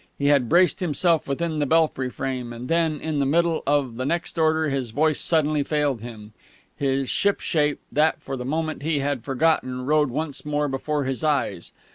He had braced himself within the belfry frame; and then in the middle of the next order his voice suddenly failed him. His ship shape, that for the moment he had forgotten, rode once more before his eyes.